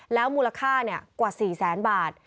แล้วมูลค่ากว่า๔๐๐๐๐๐บาท